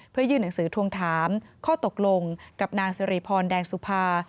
เพื่อยื่นหนังสือทวงถามข้อตกลงกับนางสิริพรแดงสุภา